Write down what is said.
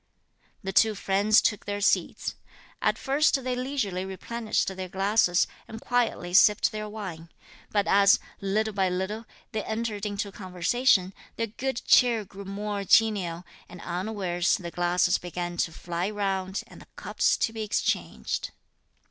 The two friends took their seats. At first they leisurely replenished their glasses, and quietly sipped their wine; but as, little by little, they entered into conversation, their good cheer grew more genial, and unawares the glasses began to fly round, and the cups to be exchanged.